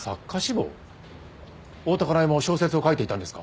大多香苗も小説を書いていたんですか？